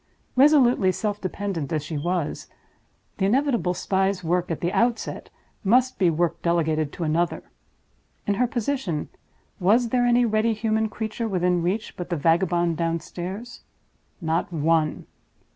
Resolutely self dependent as she was, the inevitable spy's work at the outset must be work delegated to another. In her position, was there any ready human creature within reach but the vagabond downstairs? Not one.